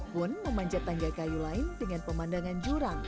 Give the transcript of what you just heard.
pun memanjat tangga kayu lain dengan pemandangan juga menarik